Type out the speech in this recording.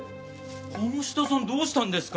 鴨志田さんどうしたんですか？